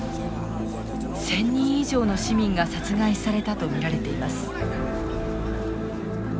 １，０００人以上の市民が殺害されたと見られています。